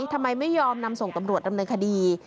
ทำไมไม่ยอมนำส่งตำรวจดำเนินคดี